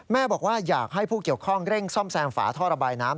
บอกว่าอยากให้ผู้เกี่ยวข้องเร่งซ่อมแซมฝาท่อระบายน้ำ